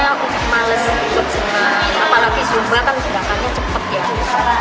apalagi zumba kan gerakannya cepat ya